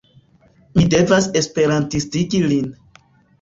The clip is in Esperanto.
Mi devas esperantistigi lin.